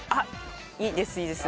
いいですいいです。